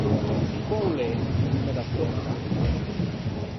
Quæ o l’é o volumme da Tæra?